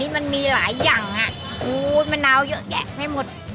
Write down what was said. มันมีหลายอย่างมะนาวเยอะแยะไม่หมด